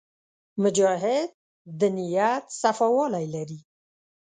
مجاهد د نیت صفاوالی لري.